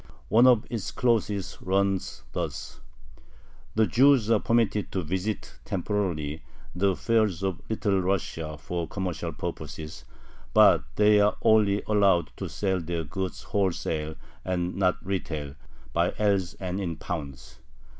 One of its clauses runs thus: The Jews are permitted to visit temporarily the fairs of Little Russia for commercial purposes, but they are only allowed to sell their goods wholesale, and not retail, by ells and in pounds.